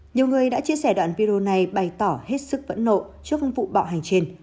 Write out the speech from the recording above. nhiều người đã chia sẻ đoạn video này bày tỏ hết sức phẫn nộ trước vụ bạo hành trên